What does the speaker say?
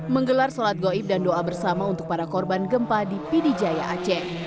menggelar sholat goib dan doa bersama untuk para korban gempa di pidijaya aceh